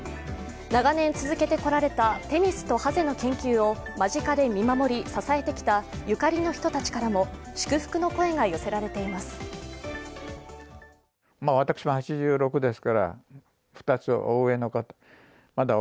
長年続けてこられたテニスとハゼの研究を間近で見守り、支えてきたゆかりの人たちからも祝福の声が寄せられています。